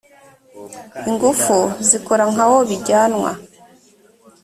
ingufu zikora nka wo bijyanwa